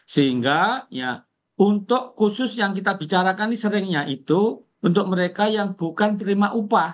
sehingga untuk khusus yang kita bicarakan ini seringnya itu untuk mereka yang bukan terima upah